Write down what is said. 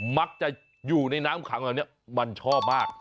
มักจะอยู่ในน้ำขังเหล่านี้มันชอบมาก